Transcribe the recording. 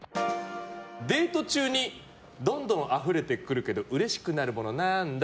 デート中にどんどんあふれてくるけどうれしくなるもの何だ？